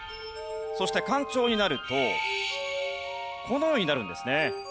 そして干潮になるとこのようになるんですね。